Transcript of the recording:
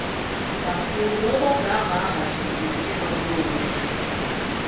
ma kwuo na ọgbakọ ahụ a haziri bụ nke magburu onwe ya